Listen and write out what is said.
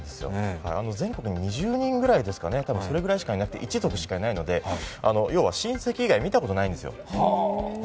全国に２０人ぐらいですかね、それぐらいしかいなくて、一族しかいないので、要は親戚以外見たことないんですよ。